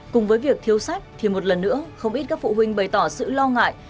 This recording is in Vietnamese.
cùng với việc thiếu sách thì một lần nữa không ít các phụ huynh bày tỏ sự lo ngại